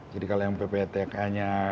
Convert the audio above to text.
jadi kalau yang ppatk nya